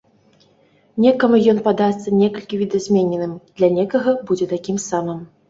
Некаму ён падасца некалькі відазмененым, для некага будзе такім самым.